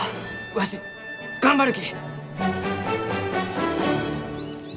わし頑張るき！